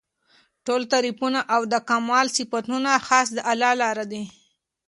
ټول تعريفونه او د کمال صفتونه خاص هغه الله لره دي